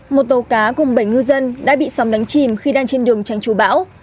một tàu cá cùng bảy ngư dân đã bị sóng đánh chìm khi đang trên đường tranh trú bão